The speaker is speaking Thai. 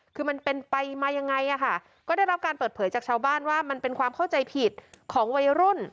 คือมันเป็นไปมายังไงอ่ะค่ะก็ได้รับการเปิดเผยจากชาวบ้านว่ามันเป็นความเข้าใจผิดของวัยรุ่น